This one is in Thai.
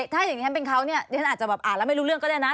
ถ้าอย่างนี้เป็นเขาอาจจะอ่านแล้วไม่รู้เรื่องก็ได้นะ